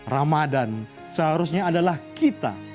ramadhan seharusnya adalah kita